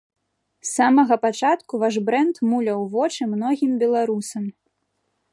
З самага пачатку ваш брэнд муляў вочы многім беларусам.